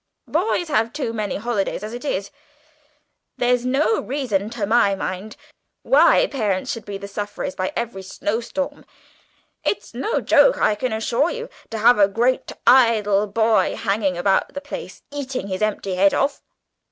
Boys have too many holidays as it is. There's no reason, to my mind, why parents should be the sufferers by every snowstorm. It's no joke, I can assure you, to have a great idle boy hanging about the place eating his empty head off!"